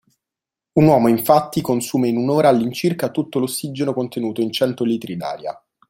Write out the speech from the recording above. Un uomo infatti consuma in un’ora all’incirca tutto l’ossigeno contenuto in cento litri d’aria.